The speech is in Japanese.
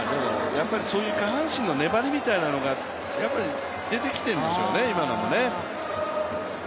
やっぱり下半身の粘りみたいなのが出てきてるんでしょうね、今のもね。